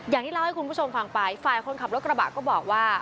อย่างที่เล่าให้คุณผู้ชมฟังไปฝ่ายคนขับรถกระบะก็บอกว่า